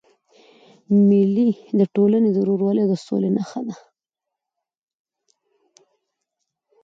مېلې د ټولني د ورورولۍ او سولي نخښه ده.